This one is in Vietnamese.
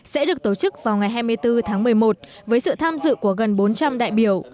sẽ được tổ chức vào ngày hai mươi bốn tháng một mươi một với sự tham dự của gần bốn trăm linh đại biểu